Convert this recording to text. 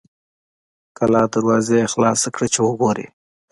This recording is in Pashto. کلا دروازه یې خلاصه کړه چې وګوري.